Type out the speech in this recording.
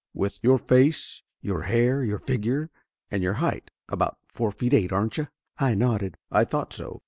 "With your face, your hair your figure, and your height About four feet eight, aren't you?" I nodded. "I thought so!"